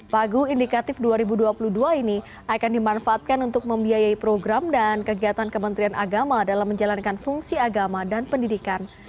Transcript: pagu indikatif dua ribu dua puluh dua ini akan dimanfaatkan untuk membiayai program dan kegiatan kementerian agama dalam menjalankan fungsi agama dan pendidikan